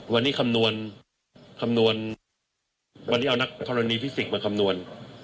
วันนี้คำนวณคำนวณวันนี้เอานักธรณีฟิสิกส์มาคำนวณ